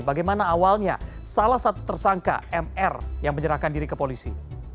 bagaimana awalnya salah satu tersangka mr yang menyerahkan diri ke polisi